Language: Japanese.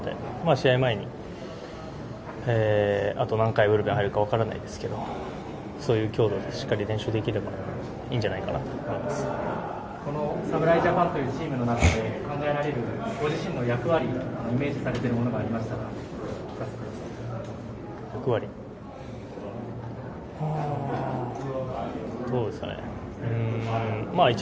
試合前にあと何回ブルペンに入るか分からないですけどそういう強度でしっかり練習できれば侍ジャパンというチームの中で考えられるご自身の役割イメージされているものがありましたらお聞かせください。